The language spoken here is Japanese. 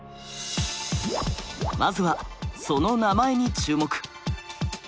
まずはその名前に注目。